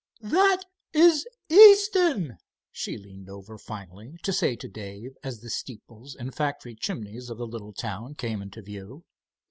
"That is Easton," she leaned over finally to say to Dave, as the steeples and factory chimneys of a little town came into view.